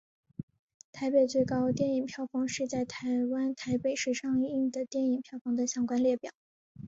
台北最高电影票房是在台湾台北市上映的电影票房等相关列表。